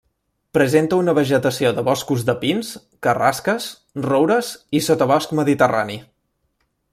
Presenta una vegetació de boscos de pins, carrasques, roures i sotabosc mediterrani.